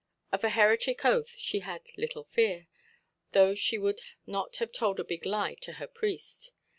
Of a heretic oath she had little fear, though she would not have told a big lie to her priest.